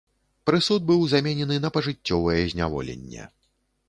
Прысуд быў заменены на пажыццёвае зняволенне.